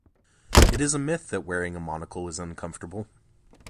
It is a myth that wearing a monocle is uncomfortable.